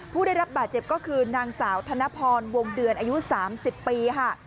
ผู้ได้รับบาดเจ็บก็คือนางสาวธนพรวงเดือนอายุ๓๐ปีค่ะ